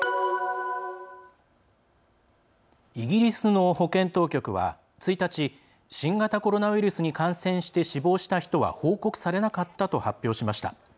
イギリスの保健当局は１日新型コロナウイルスに感染して死亡した人は報告されなかったと発表しました。